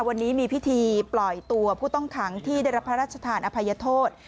วันนี้มีพิธีปล่อยตัวผู้ต้องขังที่ได้รับพระราชทานอภัยโทษ